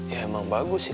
ya emang bagus sih